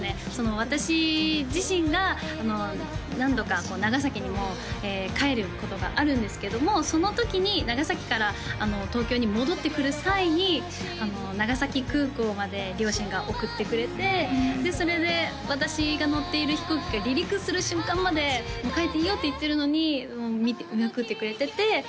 私自身が何度か長崎にも帰ることがあるんですけどもその時に長崎から東京に戻ってくる際に長崎空港まで両親が送ってくれてそれで私が乗っている飛行機が離陸する瞬間まで帰っていいよって言ってるのに見送ってくれてて長崎空港の上から屋上からこうやって手を振ってくれるのが